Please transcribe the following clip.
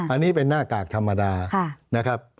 อันนี้เป็นหน้ากากธรรมดานะครับ